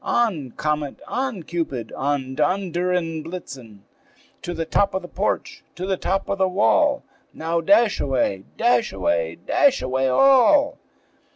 On, Comet! on, Cupid, on, Donder and Blitzen! To the top of the porch, to the top of the wall! Now dash away, dash away, dash away all!"